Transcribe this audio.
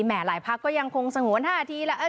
แหม่หลายพักก็ยังคงสงวน๕ทีแล้ว